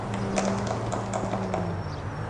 მდებარეობს როვნოს ოლქის ბერეზნოს რაიონში.